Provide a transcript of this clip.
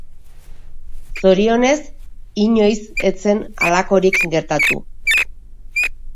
Zorionez, inoiz ez zen halakorik gertatu.